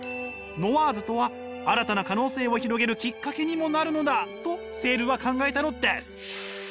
ノワーズとは新たな可能性を広げるきっかけにもなるのだとセールは考えたのです！